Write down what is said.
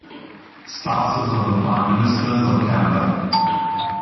Spouses of the Prime Ministers of Canada.